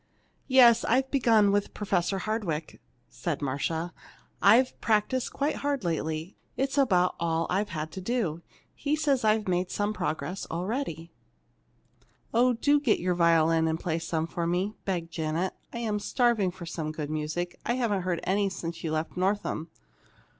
"Yes, I've begun with Professor Hardwick," said Marcia, "and I've practised quite hard lately. It's about all I had to do. He says I've made some progress already." "Oh, do get your violin and play some for me!" begged Janet. "I'm just starving for some good music. I haven't heard any since you left Northam."